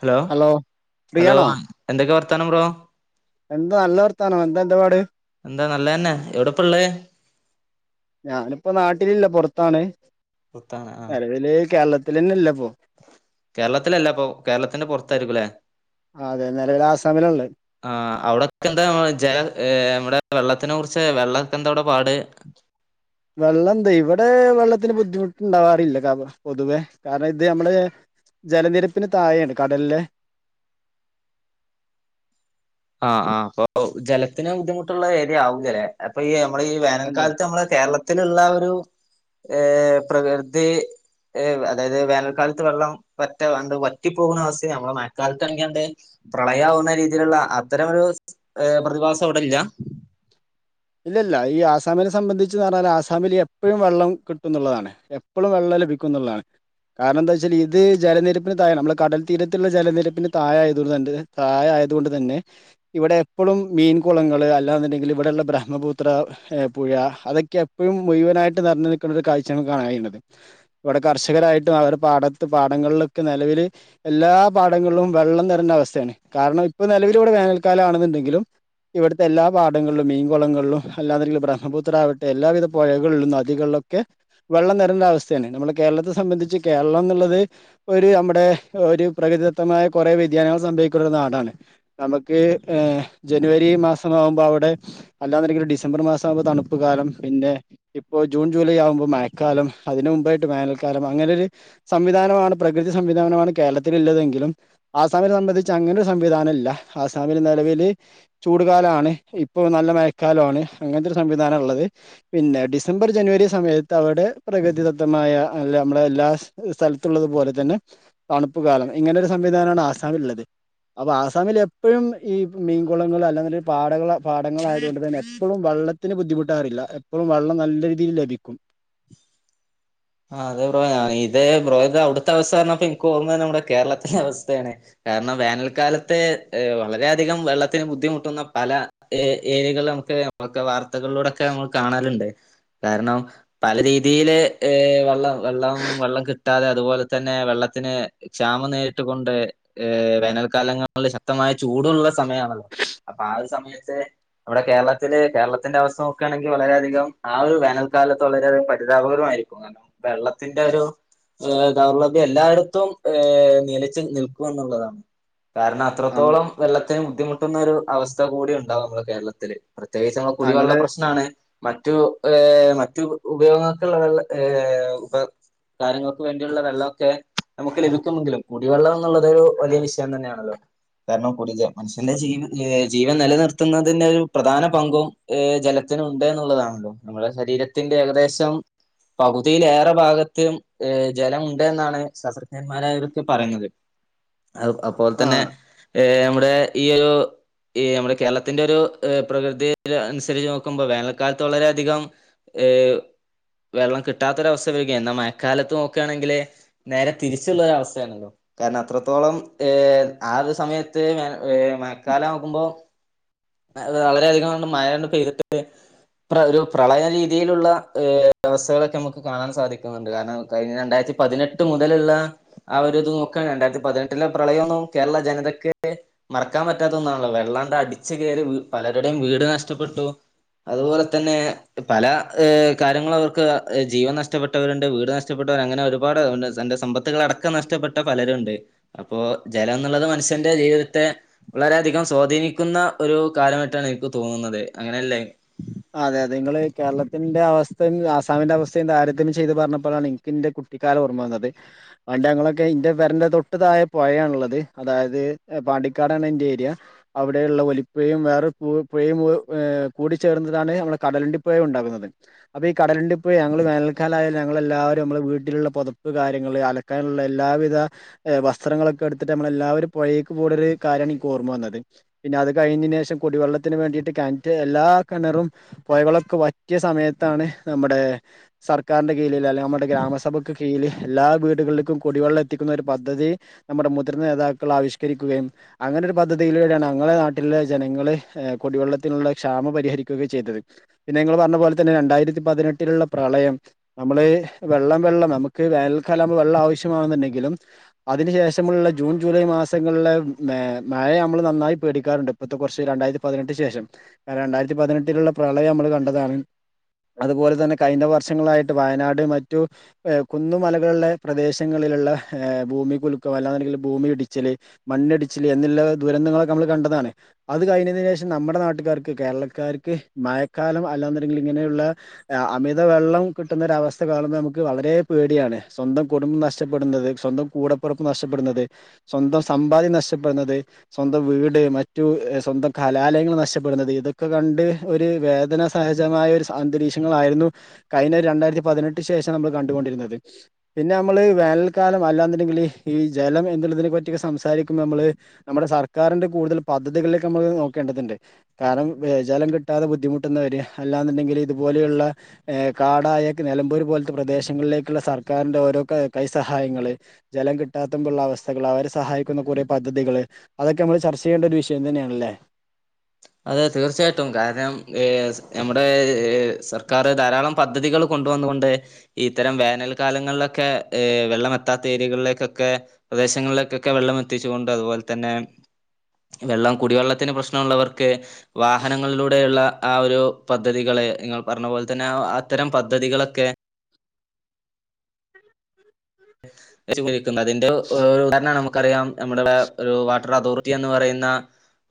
hello hello ഫ്രീയാണോ എന്തൊക്കെ എന്താണ് ബ്രോ എന്താ നല്ലവർത്താനോ എന്താ എന്ത് പാട് എന്താ നല്ലതന്നെ എവിടെപ്പ ഉള്ളേ ഞാനിപ്പോ നാട്ടിലില്ല പൊറത്താണ് പുറത്താണ് ആ നിലവിൽ കേരളത്തി ഇത് തന്നെ [unintelligible] കേരളത്തിലല്ല അപ്പൊ കേരളത്തിന്റെ പൊറത്തായരിക്കുല്ലേ അതെ നെലവില് ആസാമിലാള്ളെ ആ അവിടെക്കെ എന്താ ജല നമ്മടെ വെള്ളത്തിനെറി- പക്ഷേ വെള്ളക്കെ എന്തോടെ പാട് വെള്ളം ന്താ ഇവിടെ വെള്ളത്തിന് ബുദ്ധിമുട്ടുണ്ടാവാറില്ല ക പൊതുവെ കാരണം ഇതമ്മടെ ജലനിരപ്പിന് തായാണ് കടലിലെ ആ ആ പ്പൊ ജലത്തിന് ബുദ്ധിമുട്ടുള്ള ഏരിയ ആവുല്ലെ അപ്പൊയി നമ്മളി അല്ലെ വേനൽക്കാലത്ത് നമ്മെള് കേരള- ത്തിലുള്ള ഒരു ഏ പ്രകൃതി അതായത് വേനൽക്കാലത്ത് വെള്ളംവറ്റ വറ്റിപ്പോകുന്ന അവസ്ഥ നമ്മടെ മഴക്കാലത്താണെയാണ്ട് പ്രളയാവുന്ന രീതിലൊള്ള- ഇത്തരമൊരു ഏ പ്രതിഭാസം അവിടില്ല ഇല്ലല്ല ഈ ആസാമിനെ സംബന്ധിച്ചെന്നറഞ്ഞാ ആസാമില് എപ്പഴും വെള്ളം കിട്ടുന്നുള്ളാണ് എപ്പഴും വെള്ളം ലഭിക്കുന്നുള്ളാണ് കാരണേന്താച്ചാൽ ഇത് ജലനിരപ്പിന് തായാണ് നമ്മടെ കടൽ തീരത്തുള്ള ജലനിരപ്പിന് താഴെയാതണ്ട് തായെയായതൊണ്ട് തന്നെ ഇവിടെ എപ്പൊഴും മീൻകുളങ്ങള് അല്ലാെന്നുണ്ടെങ്കില് ഇവിടൊള്ളബ്ര- ബ്രഹ്മപുത്ര പുയ അതൊക്കെ എപ്പഴും മുയുവനായിട്ട് നെറഞ്ഞു നിൽക്കുന്ന ഒരു കാഴ്ചാണ്കാണൻഴിയണത് ഇവടെ കർഷകരായിട്ടും അവടെ പാടത്ത് പാടങ്ങളിലൊക്കെ നിലവില് എല്ലാ പാടങ്ങളിലും വെള്ളം നിറണ്ട അവസ്ഥയാണ് കാരണം ഇപ്പൊ നിലവിലിവിടെ വേനൽക്കാലം ആണെന്നുണ്ടെങ്കിലും ഇവിടുത്തെ എല്ലാ പാടങ്ങളിലും മെയ്ൻ- കുളങ്ങളിലും അല്ലാങ്കിൽ ബ്രഹ്മപുത്ര ആവട്ടെ എല്ലാവിധ പൊഴകളിലും നദികളിലൊക്കെ വെള്ളം നേരണ്ടവസ്ഥയാണ് നമ്മുടെ കേരളത്തെ സംബന്ധിച്ച് കേരളന്നുള്ളത് ഒരു നമ്മുടെ ഒരു പ്രകൃതിദത്തമായ കുറെ വ്യതിയാനങ്ങൾ സംഭവിക്കണ ഒരു നാടാണ് നമുക്ക് ഏഹ് ജനുവരി മാസമാവുമ്പോ അവിടെ അല്ലാെന്നരിക്ക ഡിസംബർ മാസാകുമ്പൊ തണുപ്പ് കാലം പിന്നെ ഇപ്പൊ ജൂൺ ജൂലൈ ആവുമ്പൊ മഴക്കാലം അതിന്മുമ്പായിട്ട് മവനൽക്കാലം അങ്ങനെ ഒരു സംവിധാനമാണ് പ്രകൃതി സംവിധാനമാണ് കേരളത്തിലുള്ളതെങ്കിലും ആസാമിനെ സംബന്ധിച്ച് അങ്ങനൊരു സംവിധാനം ഇല്ല ആസാമില് നെലവില് ചൂടുകാലാണ് ഇപ്പൊ നല്ല കാലാണ് അങ്ങനത്തെ ഒരു സംവിധാനുള്ളത് പിന്നെ ഡിസംബർ ജനുവരി സമയത്ത് അവിടെ പ്രകൃതിദത്തമായ അല്ല നമ്മടെ എല്ലാ സ്ഥലത്തുള്ളതു പോലെതന്നെ തണുപ്പ് കാലം ഇങ്ങനെ ഒരു സംവിധാനാണ് ആസാമിലിള്ളത് അപ്പ ആസാമിൽ എപ്പഴും ഈ മീൻകുളങ്ങൾ അല്ല പാട പാടങ്ങളായതൊണ്ട് ന്നെ എപ്പഴും വള്ളത്തിന് ബുദ്ധിമുട്ടാറില്ല എപ്പളും വെള്ളം നല്ല രീതിൽ ലഭിക്കും ആഹ് അതെ ബ്രോ ഞ ഇത് ബ്രോ ഇത് അവിടുത്തെ അവസ്ഥ പറഞ്ഞപ്പോ നിക്ക് ഓർമ്മന്നത് നമ്മുടെ കേരളത്തിലെ അവസ്ഥയാണ് കാരണം വേനൽക്കാലത്ത് വളരെയധികം വെള്ളത്തിന് ബുദ്ധിമുട്ടുന്ന പല ഏ ഏരിയകളിൽ മ്മക്ക് വ ത്തകളിലൂടൊക്കെ നമ്മ കാണല്ണ്ട് കാരണം പല രീതിയില് ഏഹ് വെള്ളം വെള്ളം വെള്ളം കിട്ടാതെ അതുപോലെ തന്നെ വെള്ളത്തിന് ക്ഷാമം നേരിട്ടുകൊണ്ട് വേനൽക്കാലങ്ങളിൽ ശക്തമായ ചൂടുള്ള സമയാണല്ലോ അപ്പൊ ആ ഒരു സമയത്ത് മ്മടെ കേരളത്തില് കേരളത്തിന്റെ അവസ്ഥ നോക്കാണെങ്കി വളരെയധികം ആ ഒരു വേനൽക്കാലത്ത് വളരെയധികം പരിതാപകരമാരിക്കും വെള്ളത്തിന്റെ ഒരു ദൗർലഭ്യം എല്ലായിടത്തും ഏഹ് നിലച്ച് നിൽക്കും എന്നുള്ളാണ് കാരണം അങ്ങ് അത്രത്തോളം വെള്ളത്തെയും ബുദ്ധിമുട്ടുന്ന ഒരു അവസ്ഥ കൂടി ഉണ്ടാവും നമ്മുടെ കേരളത്തില് പ്രത്യേകിച്ച് നമ്മ ഞങ്ങള് കുടിവെള്ളപ്രശ്നാണ് മറ്റു ഏഹ് മറ്റു ഉപയോഗങ്ങക്കുള്ള വെള്ളം ഏഹ് ഇപ്പ കാര്യങ്ങക്ക് വേണ്ടിയുള്ള വെള്ളവൊക്കെ നമുക്ക് ലഭിക്കുമെങ്കിലും കുടിവെള്ളം എന്നുള്ളത് ഒരു വലിയ വിഷയം തന്നെയാണല്ലോ കാരണം കുടി മനുഷ്യന്റെ ജീവ ജീവൻ നിലനിർത്തുന്നതിന് ഒരു പ്രധാന പങ്കും ഏ ജലത്തിനുണ്ട് എന്നുള്ളതാണല്ലോ നമ്മുടെ ശരീരത്തിന്റെ ഏകദേശം പകുതിലേറെ ഭാഗത്ത് ഏഹ് ജലമുണ്ട് എന്നാണ് ശാസ്ത്രജ്ഞന്മാരാക്കെ പറയുന്നത് അത് ആ അപോലെതന്നെ ഏഹ് അമ്മുടെ ഈ ഒരു ഈ മ്മടെ കേരളത്തിന്റൊരു പ്രകൃതി അനുസരിച്ച് നോക്കുമ്പൊ വേനൽക്കാലത്ത് വളരെയധികം ഏഹ് വെള്ളം കിട്ടാത്തൊരവസ്ഥ വരികെ എന്നാ മഴക്കാലത്ത് നോക്കാണെങ്കില് നേരെ തിരിച്ചുള്ളരൊവസ്ഥയാണ് കാരണം അത്രത്തോളം ഏഹ് ആ ഒരു സമയത്ത് ഏഹ് മഴക്കാലാവുമ്പൊ വളരെയധികം ണ്ട് മഴണ്ട് പെയ്തിട്ട് ഒരു പ്രളയ രീതിയിലുള്ള ഏഹ് വ്യവസ്ഥകളൊക്കെ നമുക്ക് കാണാൻ സാധിക്കുന്നുണ്ട് കാരണം കഴിഞ്ഞ രണ്ടായിരത്തി പതിനെട്ട് മുതലുള്ള ആ ഒരു ഇത് നോക്കുക രണ്ടായിരത്തിപതിനെട്ടിലെ പ്രളയൊന്നും കേരള ജനതയ്ക്ക് മറക്കാൻ പറ്റാത്തൊന്നാണല്ലോ വെള്ളാണ്ട് അടിച്ച് കേറി പലരുടെയും വീട് നഷ്ടപ്പെട്ടു അതുപോലെ തന്നെ പല കാര്യങ്ങൾ ക്ക് ജീവൻ നഷ്ടപ്പെട്ടവരുണ്ട് വീട് നഷ്ടപ്പെട്ടവർ അങ്ങനെ ഒരുപാട് എൻറെ സമ്പത്തുകളടക്കം നഷ്ടപ്പെട്ട പലരുംണ്ട് അപ്പോ ജലോന്നുള്ളത് മനുഷ്യന്റെ ജീവിതത്തെ വളരെധികം സ്വാധീനിക്കുന്ന ഒരു കാലമായിട്ടാണ് എനിക്ക് തോന്നുന്നത് അങ്ങനെയല്ലേ അതെ അതെ ഇങ്ങള് കേരളത്തിന്റെ അവസ്ഥയും ആസാമിന്റെ അവസ്ഥയും താരതമ്യം ചെയ്ത് പറഞ്ഞപ്പഴാണ് എനിക്കെന്റെ കുട്ടിക്കാലം ഓർമ്മന്നത് പണ്ടങ്ങളൊക്കെ ഇന്റെ പെരെന്റെ തൊട്ട്തായ പൊയയാള്ളത് അതായത് പാണ്ടിക്കാടാണ് എന്റെ ഏരിയ അവിടെയുള്ള ഒലിപ്പുയും വേറെ പൂ പുയയും കൂടി ചേർന്നിതാണ് നമ്മള് കടലുണ്ടി പുഴ ഉണ്ടാകുന്നത് അപ്പൊ ഈ കടലുണ്ടി പുഴ ഞങ്ങൾ വേനൽക്കാലായ ഞങ്ങളെല്ലാവരും നമ്മ വീട്ടിലുള്ള പൊതപ്പ് കാര്യങ്ങള് അലക്കാലാനിള്ള എല്ലാവിധ വസ്ത്രങ്ങളൊക്കെ എടുത്തിട്ട് നമ്മളെല്ലാവരും പുയേക്ക്കൂടല് കാരിണിനിക്ക് ഓർമ്മ വന്നത് പിന്നെ അത് കഴിഞ്ഞേനേഷം കുടിവെള്ളത്തിന് വേണ്ടിട്ട് കെൺറ്റ് എല്ലാ കിണറും പൊയകളൊക്കെ വറ്റിയ സമയത്താണ് നമ്മടെ സർക്കാരിന്റെ കീലിൽ അല്ലെങ്കിൽ നമ്മുടെ ഗ്രാമസഭക്ക് കീലിൽ എല്ലാ വീടുകലേക്കും കുടിവെള്ളം എത്തിക്കുന്ന ഒരു പദ്ധതി നമ്മുടെ മുതിർന്ന നേതാക്കൾ ആവിഷ്കരിക്കുകയും അങ്ങനെ ഒരു പദ്ധതിയിലൂടെയാണ് ഞങ്ങളെ നാട്ടിലെ ജനങ്ങള് കുടിവെള്ളത്തിനുള്ള ക്ഷാമ പരിഹരിക്ക ക്കുക്കെചെയ്തത് പിന്നെ ഇങ്ങള് പറഞ്ഞ പോലെ തന്നെ രണ്ടായിരത്തി പതിനെട്ടിലുള്ള പ്രളയം നമ്മള് വെള്ളം വെള്ളം നമുക്ക് വേൽക്കാലാമ്പൊ വെള്ളം ആവശ്യമാകുണ്ടെങ്കിലും അതിനു ശേഷമുള്ള ജൂൺ ജൂലൈ മാസങ്ങളിലെ മഴ നമ്മൾ നന്നായി പേടിക്കാറുണ്ട് ഇപ്പഴത്തെ കുറച്ച് രണ്ടായിരത്തി പതിനെട്ട് ശേഷം രണ്ടായിര പതിനെട്ടിലുള്ള പ്രളയം നമ്മൾ കണ്ടതാണ് അതുപോലെ തന്നെ കഴിഞ്ഞ വർഷങ്ങളായിട്ട് വയനാട് മറ്റു കുന്നുമലകളള്ള പ്രദേശങ്ങളിലള്ള ഏഹ് ഭൂമികുലുക്കം അല്ലാന്നുണ്ടെങ്കി ഭൂമി ഇടിച്ചില് മണ്ണിടിച്ചില് എന്നുള്ള ദുരന്തങ്ങളൊക്കെ നമ്മള് കണ്ടതാണ് അത് കഴിഞ്ഞതിനേഷം നമ്മുടെ നാട്ടുകാർക്ക് കേരള ക്കാർക്ക് മയക്കാലം അല്ലലന്നൊണ്ടങ്കിൽ ഇങ്ങനെയുള്ള അമിത വെള്ളം കിട്ടുന്ന ഒരവസ്ഥ കാണുമ്പം ഞമക്ക് വളരെ പേടിയാണ് സ്വന്തം കുടുംബം നഷ്ടപ്പെടുന്നത് സ്വന്തം കൂടപ്പെറപ്പ് നഷ്ടപ്പെടുന്നത് സ്വന്തം സമ്പാദ്യം നഷ്ടപ്പെടുന്നത് സ്വന്തം വീട് മറ്റു സ്വന്തം കലാലയങ്ങൾ നഷ്ടപ്പെടുന്നത് ഇതൊക്കെ ഒക്കെ കണ്ട് ഒരു വേദന സഹജമായ ഒരു അന്തരീക്ഷങ്ങളായിരുന്നു കയിഞ്ഞ രണ്ടായിരത്തി പതിനെട്ട് ശേഷം നമ്മൾ കണ്ടുകൊണ്ടിരുന്നത് പിന്നെ നമ്മള് വേനൽക്കാലം അല്ലാന്നൊണ്ടെങ്കില് ഈ ജലം എന്നുള്ളതിനെപറ്റിക്കെ സംസാരിക്കുമ്പോൾ നമ്മള് നമ്മുടെ സർക്കാരിന്റെ കൂടുതൽ പദ്ധതികളിലേക്കമ്മള് നോക്കേണ്ടതിണ്ട് കാരണം ജലം കിട്ടാതെ ബുദ്ധിമുട്ടുന്നവര് അല്ലാന്നുണ്ടെങ്കില് ഇതുപോലെയുള്ള ഏഹ് കാടായ നെലമ്പൂര് പോലത്തെ പ്രദേശങ്ങളിലേക്കുള്ള സർക്കാരിന്റെ ഓരോ കൈ സഹായങ്ങള് ജലം കിട്ടാത്തുമ്പുള്ള അവസ്ഥകള് അവരെ സഹായിക്കുന്ന കുറെ പദ്ധതികള് അതൊക്കെ മ്മള് ചർച്ചചെയ്യേണ്ട ഒരു വിഷയം തന്നെയാണല്ലേ അതെ തീർച്ചയായിട്ടും കാരണം ഏഹ് ഞമ്മടെ സർക്കാർ ധാരാളം പദ്ധതികൾ കൊണ്ടുവന്നുകൊണ്ട് ഇത്തരം വേനൽ കാലങ്ങളിലൊക്കെ ഏഹ് വെള്ളം എത്താത്ത ഏരിയകളിലേക്കെക്കെ പ്രദേശങ്ങളിലേക്കെക്കെ വെള്ളം എത്തിച്ചുകൊണ്ട് അതുപോലെ തന്നെ വെള്ളം കുടിവെള്ളത്തിന് പ്രശ്നൊള്ളവർ ഒക്കെ വാഹനങ്ങളിലൂടെയുള്ള ആ ഒരു പദ്ധതികളെ നിങ്ങൾ പറഞ്ഞ പോലെ തന്നെ അത്തരം പദ്ധതികളൊക്കെ അതിന്റെ ഉദാരണമാണ് നമുക്ക് നമുക്കറിയാം നമ്മുടെ ഒരു വാട്ടർ അതോറിറ്റി എന്ന് പറയുന്ന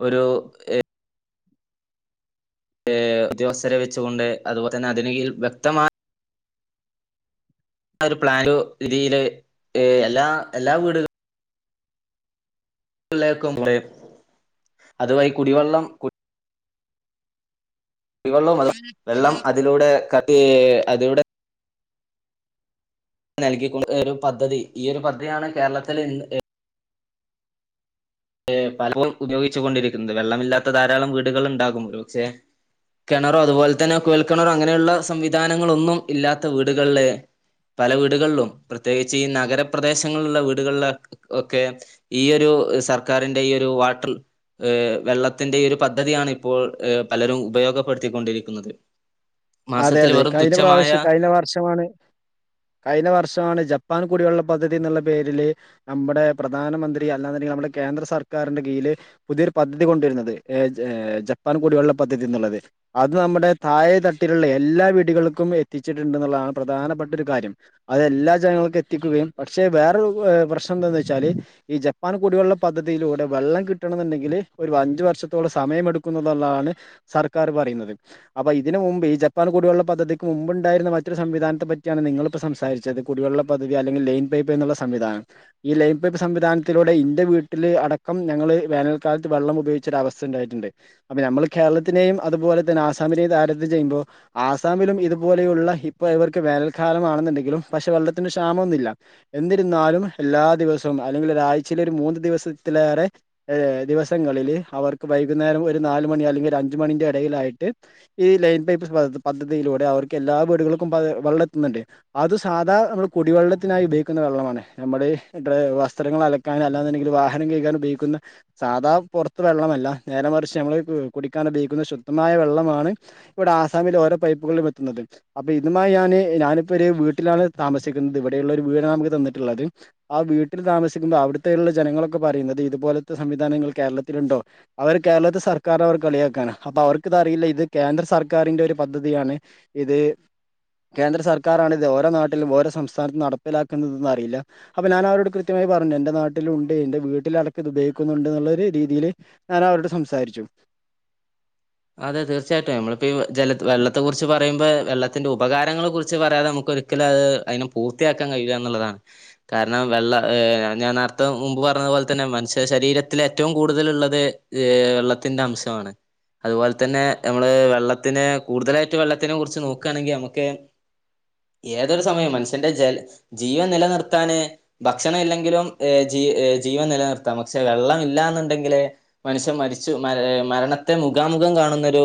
ഒരു ഉദ്യോഗസ്ഥരെ വെച്ചുകൊണ്ട് അതുപോലെ തന്നെ അതിന് വ്യക്തമായ ആ ഒരു പ്ലാന് രീതിയില് എല്ലാ എല്ലാ വീടുകളും ള്ളക്കും കുറ അതുവഴി കുടിവെള്ളം കു കുടി വെള്ളം വെള്ളം അതിലൂടെ ക അതിലൂടെ നൽക്കി കൊണ്ട് ഒരു പദ്ധതി ഈ ഒരു പദ്ധതിയാണ് കേരളത്തില് പലപ്പോഴും ഉപയോഗിച്ച കൊണ്ടിരിക്കുന്നത് വെള്ളമില്ലാത്ത ധാരാളം വീടുകളൾ ഉണ്ടാകും ഒരു പക്ഷെ കിണറോ അതുപോലെ തന്നെ കുഴൽ കിണറോ അങ്ങനെയുള്ള സംവിധാനങ്ങളൊന്നും ഇല്ലാത്ത വീടുകളില് പല വീടുകളിലും പ്രത്യേകിച്ച് ഈ നഗരപ്രദേശങ്ങളിലുള്ള വീടുകളില ഒക്കെ ഈ ഒരു സ സർക്കാരിന്റെഈ ഒരു വാട്ടർ വെള്ളത്തിന്റെ ഒരു പദ്ധതിയാണ് ഇപ്പോൾ പലരും ഉപയോഗപ്പെടുത്തിക്കൊണ്ടിരിക്കുന്നത് അതെ മാസത്തിൽ അതെ വെറും കഴിഞ്ഞ തുച്ഛമായ പ്രാവശ്യം കഴിഞ്ഞ വർഷമാണ് കഴിഞ്ഞ വർഷമാണ് ജപ്പാൻ കുടിവെള്ള പദ്ധതി എന്നുള്ള പേരില് നമ്മുടെ പ്രധാനമന്ത്രി അല്ലാണ്ടെങ്ക നമ്മുടെ കേന്ദ്ര സർക്കാരിന്റെ കീഴില് പുതിയൊരു പദ്ധതി കൊണ്ടുവരുന്നത് ജപ്പാൻ കുടിവെള്ള പദ്ധതി എന്നുള്ളത് അത് നമ്മുടെ താഴെ ത വട്ടിലുള്ള എല്ലാ വീടുകൾക്കും എത്തിച്ചിട്ടുണ്ട്ന്നുള്ളതാണ് പ്രധാനപ്പെട്ട ഒരു കാര്യം അത് എല്ലാ ജനങ്ങൾക്കും എത്തിക്കുകയും പക്ഷേ വേറൊരു പ്രശ്നം എന്താന്ന് വെച്ചാല് ഈ ജപ്പാൻ കുടിവെള്ള പദ്ധതിയിലൂടെ വെള്ളം കിട്ടണം എന്നുണ്ടെങ്കിൽ ഒരു അഞ്ചു വർഷത്തോള സമയമെടുക്കുന്നതുള്ളതാണ് സർക്കാർ പറയുന്നത് അപ്പൊ ഇതിന് മുമ്പ് ജപ്പാൻ കുടിവെള്ള പദ്ധതിക്ക് മുമ്പ്ണ്ടായിരുന്ന മറ്റൊരു സംവിധാനത്തെ പറ്റിയാണ് നിങ്ങളിപ്പോൾ സംസാരിച്ചത് കുടിവെള്ള പദ്ധതി അല്ലെങ്കിൽ ലൈൻ പൈപ്പ് എന്നുള്ള സംവിധാനം ഈ ലൈൻ പൈപ്പ് സംവിധാനത്തിലൂടെ ഇന്ത്യ വീട്ടിൽ അടക്കം ഞങ്ങൾ വേനൽക്കാലത്ത് വെള്ളം ഉപയോഗിച്ചൊ ഒരു അവസ്ഥ ഉണ്ടായിട്ടുണ്ട് അപ്പൾ നമ്മൾ കേരളത്തിനെയും അതുപോലെ തന്നെ ആസാമിനെയും താരത്യം ചെയ്യുമ്പോ ആസാമിലും ഇതുപോലെയുള്ള ഇപ്പൊ ഇവർക്ക് വേനൽക്കാലംമാണെന്നുണ്ടെങ്കിലും പക്ഷെ വെള്ളത്തിന് ക്ഷാമൊന്നുമില്ല എന്നിരുന്നാലും എല്ലാ ദിവസവും അല്ലെങ്കിൽ ഒരാഴ്ചൽ ഒരു മൂന്ന് ദിവസത്തിലേറെ ഏ ദിവസങ്ങളില് അവർക്ക് വൈകുന്നേരം ഒരു നാല മണി അല്ലെങ്കിൽ ഒരു അഞ്ച മണിന്റെ ഇടയിലായിട്ട് ഈ ലൈൻ പൈപ്പ് പ പദ്ധതിയിലൂടെ അവർക്ക് എല്ലാ വീടുകൾക്കും വെള്ളം എത്തുന്നുണ്ട് അത് സാധാ നമ്മള് കുടിവെള്ളത്തിനായി ഉപയോഗിക്കുന്ന വെള്ളമാണ് നമ്മുടെ ഇ വസ്ത്രങ്ങൾ അലക്കാൻ അല്ലാണ്ടെങ്കിൽ വാഹനം കഴിക്കാൻ ഉപയോഗിക്കുന്ന സാധാ പുറത്ത് വെള്ളമല്ല നേര മറിച്ച് നമ്മള് കുടിക്കാൻ ഉപയോഗിക്കുന്ന ശുദ്ധമായ വെള്ളമാണ് ഇവിടെ ആസാമിൽ ഓരോ പൈപ്പുകളിലും എത്തുന്നത് അപ്പൊ ഇതുമായി ഞാാന് ഞാനിപ്പോ ഒരു വീട്ടിലാണ് താമസിക്കുന്നത് ഇവിടെയുള്ള ഒരു വീടാണ് നമുക്ക് തന്നിട്ടുള്ളത് ആ വീട്ടിൽ താമസിക്കുമ്പോൾ അവിടുത്തെുള്ള ജനങ്ങളൊക്കെ പറയുന്നത് ഇതുപോലത്തെ സംവിധാനങ്ങൾ കേരളത്തില ഉണ്ടോ അവർ കേരളത്തെ സർക്കാരിന അവർ കളിയാക്കാണ് അപ്പൊ അവർക്കിതറിയില്ല ഇത് കേന്ദ്ര സർ സർക്കാരിൻറെ ഒരു പദ്ധതിയാണ് ഇത് കേന്ദ്ര സർക്കാാരാണ് ഇത് ഓരോ നാട്ടിലും ഓരോ സംസ്ഥാനത്തും നടപ്പിലാക്കുന്നത്ന്ന് അറിയില്ല അപ്പൊ ഞാൻ അവരോട് കൃത്യമായി പറഞ്ഞു എൻറെ നാട്ടില ഉണ്ട് എൻറെ വീട്ടിലടക്ക ഇത് ഉപയോഗിക്കുന്നുണ്ട് എന്നുള്ളരു രീതിൽ ഞാൻ അവരോട് സംസാരിച്ചു അതെ തീർച്ചയായിട്ടും നഞമ്മളിപ്പോ ജല വെള്ളത്തെ കുറിച്ച് പറയുമ്പോ വെള്ളത്തിന്റെ ഉപകാരങ്ങളെ കുറിച്ച് പറയാതെ നമുക്കരിക്കലും അത് അതിനെ പൂർത്തിയാക്കാൻ കഴിയ എന്നുള്ളതാണ് കാരണം വെള്ള ർ ഞാൻ നേരത്തെ മുമ്പ് പറഞ്ഞതു പോലെ തന്നെ മനുഷ്യ ശരീരത്തിലൽ ഏറ്റവും കൂടുതൽ ഉള്ളത് ഏർ വെള്ളത്തിറെ അംശമാണ് അതുപോലെ തന്നെ നമ്മള് വെള്ളത്തിന് കൂടുതലായിട്ട് വെള്ളത്തിനെ കുറിച്ച് നോക്കുകയാണെങ്കിൽ നമുക്ക് ഏതൊരു സമയവും മനുഷ്യന്റെ ജ ജീവൻ നിലനിർത്താന് ഭക്ഷണം ഇല്ലെങ്കിലും ജീ ജീവൻ നിലനിർത്താം പക്ഷെ വെള്ളം ഇല്ല എന്നുണ്ടെങ്കില് മനുഷ്യൻ മരിച്ചു മരണത്തെ മുഖാമുഖം കാണുന്നൊരു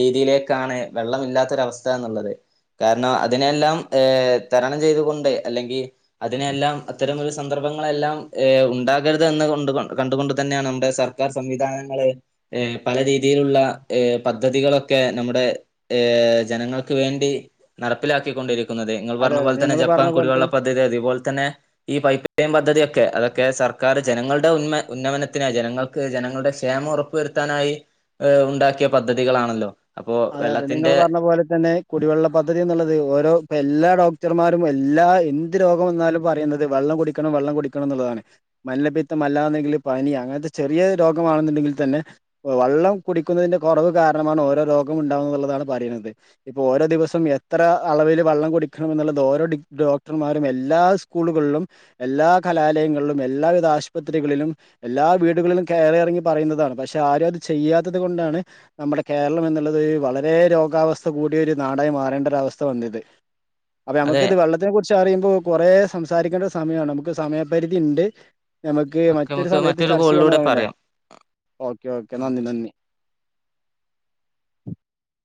രീതിയിലേക്കാണ് വെള്ളം ഇല്ലാത്തൊരവസ്ഥ എന്നുള്ളത് കാരണം അതിനെല്ലാം തരണം ചെയ്തുകൊണ്ട് അല്ലെങ്കിൽ അതിനെല്ലാം അത്തരമൊരു സന്ദർഭങ്ങളെല്ലാം ഉണ്ടാകരുത് എന്ന് കൊണ്ട കണ്ടുകൊണ്ട് തന്നെയാണ് നമ്മുടെ സർക്കാർ സംവിധാനങ്ങൾ പല രീതി രീതിയിലുള്ളഹ പദ്ധതികളൊക്കെ നമ്മുടെ ജനങ്ങൾക്ക് വേണ്ടി നടപ്പിലാക്കിക്കൊണ്ടിരി കുന്നത് നിങ്ങൾ അതെ പറഞ്ഞ അതെ പോലെന്നെ നിങ്ങൾ ജപ്പാൻ പറഞ്ഞ പോലെ തന്നെ കുടിവെള്ള പദ്ധതി അതുപോലെ തന്നെ ഈ പൈപ്പ ഇയും പദ്ധതിയൊക്കെ അതൊക്കെ സർക്കാർ ജനങ്ങളുടെ ഉമ ഉന്നമനത്തിനായി ജനങ്ങൾക്ക് ജനങ്ങളുടെ ക്ഷേമം ഉറപ്പ വരുത്താനായി ഏഹ ഉണ്ടാക്കിയ പദ്ധതികളാണല്ലോ അതെ അതെ നിങ്ങൾ വെള്ളത്തിന്റെ പറഞ്ഞ പോലെ തന്നെ കുടിവെള്ള പദ്ധതി എന് ഓരോ ഇ എല്ലാ ഡോക്ടർമാരും എല്ലാ എന്ത് രോഗം വ എന്നാലും പറയുന്നത് വെള്ളം കുടിക്കണം വെള്ളം കുടിക്കണം എന്നുള്ളതാണ് മല്ലപ്പിത്തം അല്ലന്നെങ്കിൽ പനി അങ്ങനത്തെ ചെറിയ രോഗമാണെന്നുണ്ടെങ്കിൽ തന്നെ വെള്ളം കുടിക്കുന്നതിന്റെ കുറവ് കാരണമാണ് ഓരോ രോ ണ്ടാവുള്ളതാണ് പറയുന്നത് ഇപ്പോ ഓരോ ദിവസം എത്ര അളവിൽ വെള്ളം കുടിക്കണം എന്നുള്ളത് ഓരോ ഡോക്ടർമാരും എല്ലാ സ്കൂളുകളിലും എല്ലാ കലാലയങ്ങളിലും എല്ലാവിധ ആശുപത്രികളിലും എല്ലാ വീടുകളിലും കയറി ഇറങ്ങി പറയുന്നതാണ് പക്ഷെ ആരും അത് ചെയ്യാത്തത് കൊണ്ടാണ് നമ്മുടെ കേരളം എന്ന ത് വളരെ രോഗാവസ്ഥ കൂട ഒരു നാടായി മാറേണ്ട ഒരവസ്ഥ വന്നിത് അപ്പ നുക്ക് അതെ ഇത് വെള്ളത്തിനെ കുറിച്ച് പ അറിയുമ്പോ കൊറേ സംസാരിക്കേണ്ട സമയമാണ് നമുക്ക് സമയപരിധി ഇണ്ട് ഞമക്ക് ഒക്കെ മറ്റൊരു നമുക്ക് സമയത്ത് ചർച്ച കോളിലൂടെ ചെയ്യാൻല്ലേ പറയാം ഓക്കെ ഓക്കെ നന്ദി നന്ദി [inaudible]